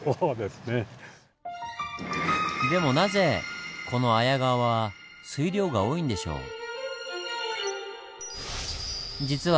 でもなぜこの綾川は水量が多いんでしょう？